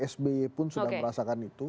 sby pun sudah merasakan itu